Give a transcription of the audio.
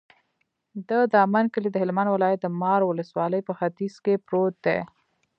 د دامن کلی د هلمند ولایت، د مار ولسوالي په ختیځ کې پروت دی.